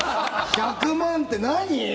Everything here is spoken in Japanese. １００万って何？